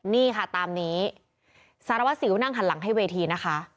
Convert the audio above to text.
นี่ค่ะตามนี้สารวัสสิวนั่งหันหลังให้เวทีนะคะ